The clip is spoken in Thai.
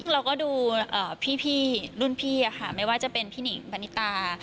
เราก็ดูพี่รุ่นพี่ไม่ว่าจะเป็นพี่หนิงปณิตา